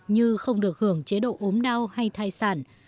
như không được hưởng chế độ ốm đau hay thai sản